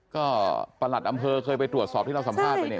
ก็ประหลัดอำเภอเคยไปตรวจสอบที่เราสัมภาษณ์ไปเนี่ย